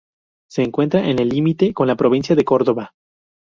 Se encuentra en el límite con la provincia de Córdoba.